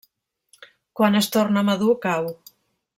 Quan es torna madur cau.